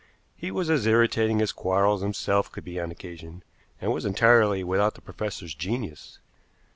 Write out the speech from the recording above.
He was as irritating as Quarles himself could be on occasion, and was entirely without the professor's genius.